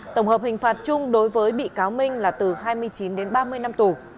tổng hợp hình phạt chung đối với bị cáo minh là từ hai mươi chín đến ba mươi năm tù